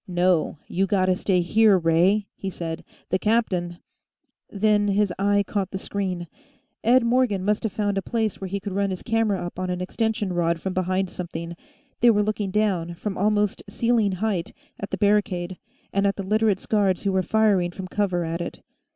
"No. You gotta stay here, Ray," he said. "The captain " Then his eye caught the screen. Ed Morgan must have found a place where he could run his camera up on an extension rod from behind something; they were looking down, from almost ceiling height, at the barricade, and at the Literates' guards who were firing from cover at it.